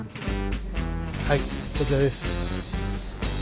はいこちらです。